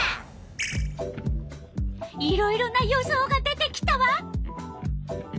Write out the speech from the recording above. いろいろな予想が出てきたわ。